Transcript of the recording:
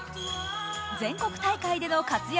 全国大会での活躍